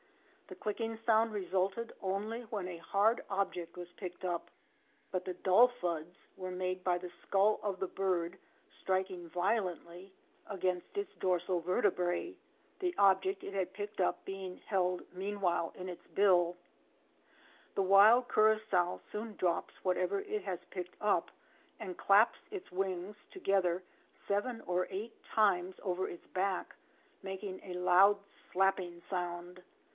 The clicking sound resulted only when a hard object was picked up, but the dull thuds were made by the skull of the bird striking violently against its dorsal 336 OUR SEARCH FOR A WILDERNESS. vertebrae, the object it had picked up being held meanwhile in its bill. (Fig. 137.) The wild Curassow soon drops whatever it has picked up and claps its wings together seven or eight times over its back, making a loud slapping sound.